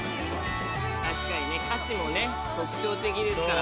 確かに歌詞も特徴的ですから